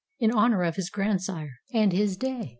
In honor of his grandsire, and his day."